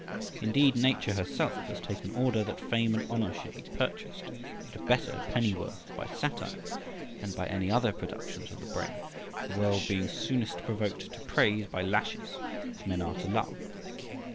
Indeed, Nature herself has taken order that fame and honour should be purchased at a better pennyworth by satire than by any other productions of the brain, the world being soonest provoked to praise by lashes, as men are to love.